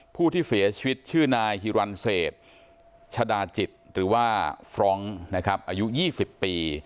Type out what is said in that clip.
ผู้ที่เสียชีวิตชื่อนายฮิรันเศษชะดาจิตหรือว่าฟรองก์นะครับอายุ๒๐ปี